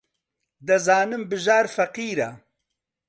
دەزانم بژار فەقیرە.